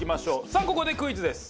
さあここでクイズです！